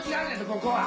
ここは！